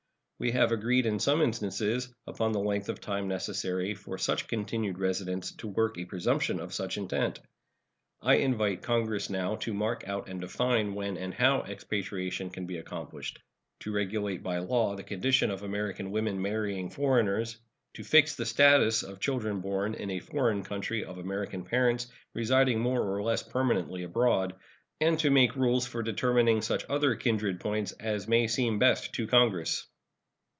We have agreed in some instances upon the length of time necessary for such continued residence to work a presumption of such intent. I invite Congress now to mark out and define when and how expatriation can be accomplished; to regulate by law the condition of American women marrying foreigners; to fix the status of children born in a foreign country of American parents residing more or less permanently abroad, and to make rules for determining such other kindred points as may seem best to Congress.